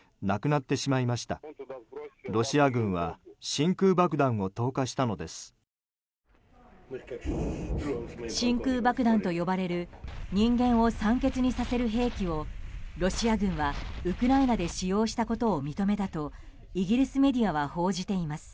真空爆弾と呼ばれる人間を酸欠にさせる兵器をロシア軍は、ウクライナで使用したことを認めたとイギリスメディアは報じています。